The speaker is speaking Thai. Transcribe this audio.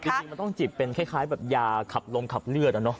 จริงมันต้องจิบเป็นคล้ายแบบยาขับลมขับเลือดอะเนาะ